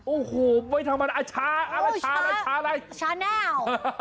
โอ้โหไม่ทำอะไรชาอะไรชาอะไรชาแน่ว